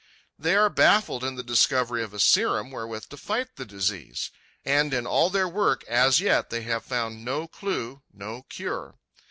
They are baffled in the discovery of a serum wherewith to fight the disease. And in all their work, as yet, they have found no clue, no cure.